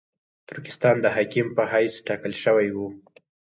ترکستان د حاکم په حیث ټاکل شوی وو.